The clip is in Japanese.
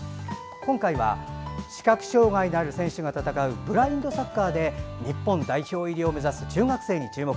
今回は視覚障害のある選手が戦うブラインドサッカーで日本代表入りを目指す中学生に注目。